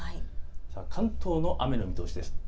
関東の雨の見通しです。